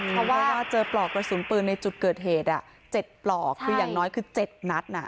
เพราะว่าเจอปลอกกระสุนปืนในจุดเกิดเหตุ๗ปลอกคืออย่างน้อยคือ๗นัด